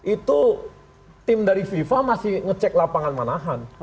itu tim dari fifa masih ngecek lapangan mana mana